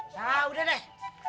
nah udah deh